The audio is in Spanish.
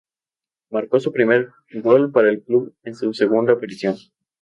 Marcó su primer gol para el club en su segunda aparición.